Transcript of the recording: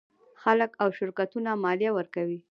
خلک او شرکتونه مالیه ورکوي.